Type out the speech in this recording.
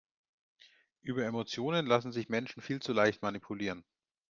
Über Emotionen lassen sich Menschen viel zu leicht manipulieren.